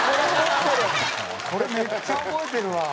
これめっちゃ覚えてるわ。